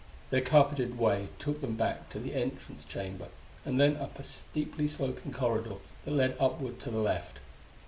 Their carpeted way took them back to the entrance chamber and then up a steeply sloping corridor that led upward to the left.